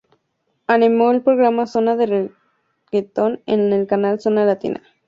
Animó el programa Zona de reguetón en el canal Zona Latina.